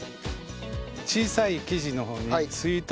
小さい生地の方にスイートポテト。